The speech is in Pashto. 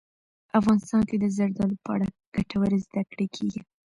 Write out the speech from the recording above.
افغانستان کې د زردالو په اړه ګټورې زده کړې کېږي.